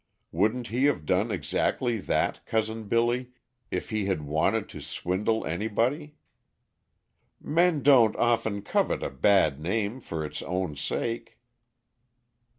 Wouldn't he have done exactly that, Cousin Billy, if he had wanted to swindle anybody? Men don't often covet a bad name for its own sake."